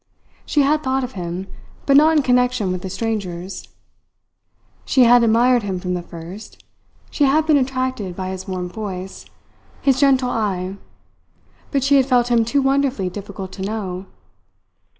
She had thought of him, but not in connection with the strangers. She had admired him from the first; she had been attracted by his warm voice, his gentle eye, but she had felt him too wonderfully difficult to know.